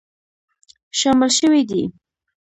شامل شوي دي